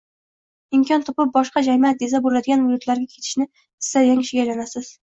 imkon topib boshqa – «jamiyat» desa bo‘ladigan yurtlarga ketishni istaydigan kishiga aylanasiz.